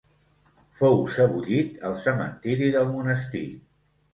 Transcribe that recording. Fou sebollit al cementiri del monestir.